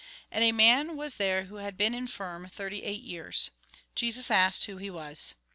And a man was there who had been infirm thirty eight years. Jesus asked who he was.